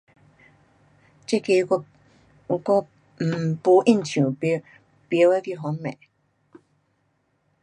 这个我，我 um 没印象，甭晓，甭晓去分别。